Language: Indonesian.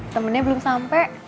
temennya belum sampe